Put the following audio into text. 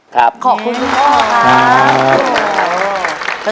ขอบคุณพ่อครับ